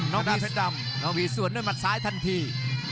น้องพี่ส่วนด้วยมัดซ้ายทันที